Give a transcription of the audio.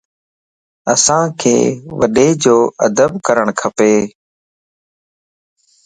اسانک وڏيءَ جو ادب ڪرڻ کپ